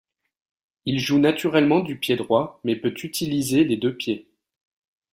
Il joue naturellement du pied droit mais peut utiliser les deux pieds.